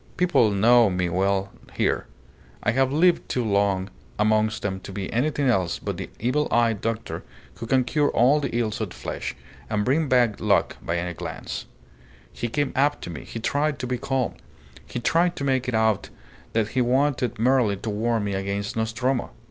People know me well here. I have lived too long amongst them to be anything else but the evil eyed doctor, who can cure all the ills of the flesh, and bring bad luck by a glance. He came up to me. He tried to be calm. He tried to make it out that he wanted merely to warn me against Nostromo.